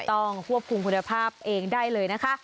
ต้องควบคุมคุณภาพเองได้เลยนะคะ